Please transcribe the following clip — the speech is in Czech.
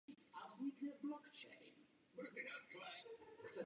Avenue v newyorském Manhattanu.